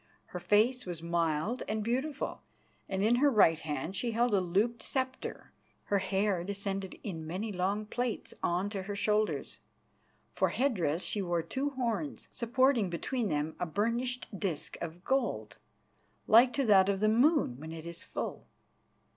Her face was mild and beautiful, and in her right hand she held a looped sceptre. Her hair descended in many long plaits on to her shoulders. For head dress she wore two horns, supporting between them a burnished disc of gold like to that of the moon when it is full.